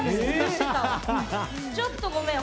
ちょっとごめん。